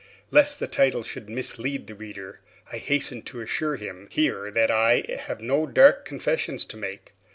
Lest the title should mislead the reader, I hasten to assure him here that I have no dark confessions to make.